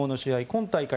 今大会